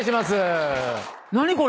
何これ？